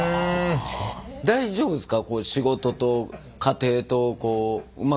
大丈夫ですか？